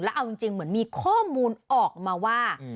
เอาจริงเหมือนมีข้อมูลออกมาว่า